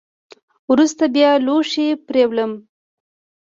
وروسته بیا لوښي پرېولم .